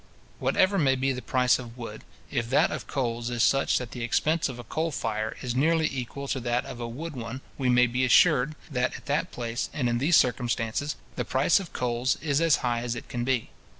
Whatever may be the price of wood, if that of coals is such that the expense of a coal fire is nearly equal to that of a wood one we may be assured, that at that place, and in these circumstances, the price of coals is as high as it can be.